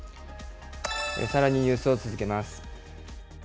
さらにニュースを続けます。